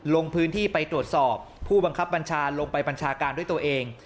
ลงพื้นที่ไปตรวจสอบผู้บังคับบัญชาลงไปบัญชาการด้วยตัวเอง